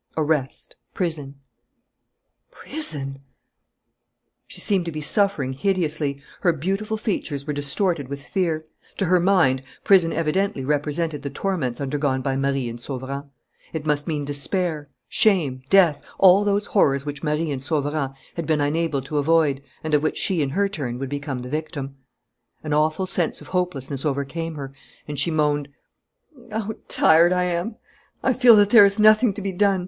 "Arrest prison " "Prison!" She seemed to be suffering hideously. Her beautiful features were distorted with fear. To her mind, prison evidently represented the torments undergone by Marie and Sauverand. It must mean despair, shame, death, all those horrors which Marie and Sauverand had been unable to avoid and of which she in her turn would become the victim. An awful sense of hopelessness overcame her, and she moaned: "How tired I am! I feel that there is nothing to be done!